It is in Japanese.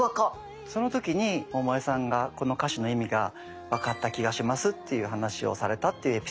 その時に百恵さんが「この歌詞の意味がわかった気がします」っていう話をされたっていうエピソードが。